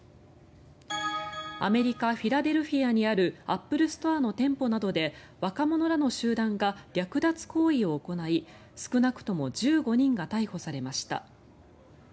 アメリカ・フィラデルフィアにあるアップルストアの店舗などで若者らの集団が略奪行為を行い少なくとも１５人が逮捕されました。